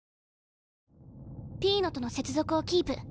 ピーノとの接続をキープ。